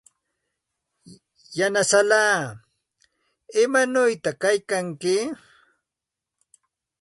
Yanasallaa, ¿imanawta kaykanki?